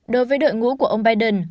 đối với đội ngũ của ông biden